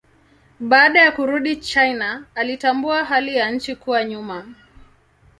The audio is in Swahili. Baada ya kurudi China alitambua hali ya nchi kuwa nyuma.